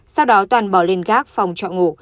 sau đó toàn bỏ lên gác phòng trọ ngủ